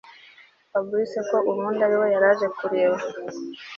Fabric ko ubundi ariwe yaraje kureba